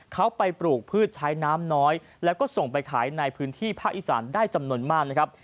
เขาไปปลูกพืชใช้น้ำน้อยแล้วก็ส่งไปขายในพื้นที่ภาคอีสานได้จำนวนมากนะครับ